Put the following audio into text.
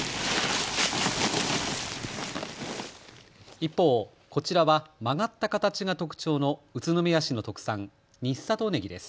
一方、こちらは曲がった形が特徴の宇都宮市の特産、新里ねぎです。